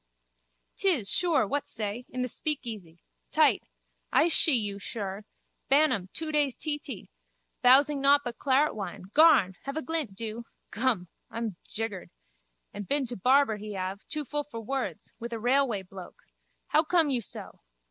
'Tis, sure. What say? In the speakeasy. Tight. I shee you, shir. Bantam, two days teetee. Bowsing nowt but claretwine. Garn! Have a glint, do. Gum, I'm jiggered. And been to barber he have. Too full for words. With a railway bloke. How come you so?